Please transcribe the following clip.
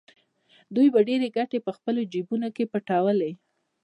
دوی به ډېرې ګټې په خپلو جېبونو کې پټولې